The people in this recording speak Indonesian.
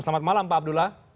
selamat malam pak abdullah